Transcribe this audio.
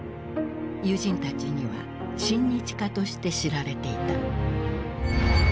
友人たちには親日家として知られていた。